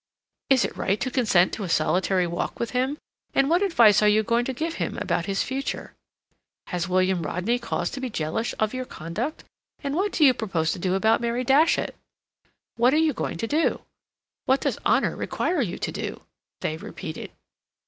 Is it right to consent to a solitary walk with him, and what advice are you going to give him about his future? Has William Rodney cause to be jealous of your conduct, and what do you propose to do about Mary Datchet? What are you going to do? What does honor require you to do? they repeated.